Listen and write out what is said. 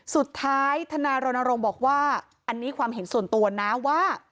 ทนายรณรงค์บอกว่าอันนี้ความเห็นส่วนตัวนะว่า